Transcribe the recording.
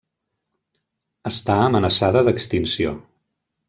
Està amenaçada d'extinció.